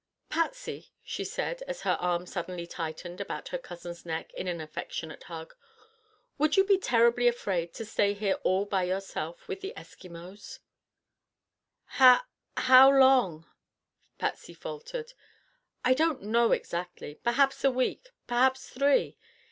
"Patsy," she said, as her arm suddenly tightened about her cousin's neck in an affectionate hug, "would you be terribly afraid to stay here all by yourself with the Eskimos?" "How—how long?" Patsy faltered. "I don't know exactly. Perhaps a week, perhaps three.